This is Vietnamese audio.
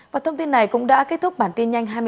và thông tin này cũng đã kết thúc bản tin nhanh